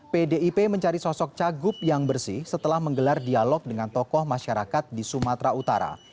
pdip mencari sosok cagup yang bersih setelah menggelar dialog dengan tokoh masyarakat di sumatera utara